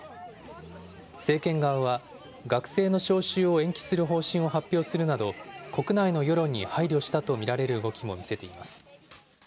政権側は、学生の招集を延期する方針を発表するなど、国内の世論に配慮したと見られる動きも見せています。